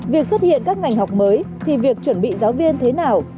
việc xuất hiện các ngành học mới thì việc chuẩn bị giáo viên thế nào